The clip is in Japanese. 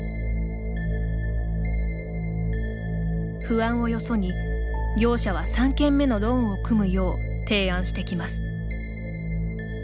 不安をよそに、業者は３軒目のローンを組むよう提案してきます。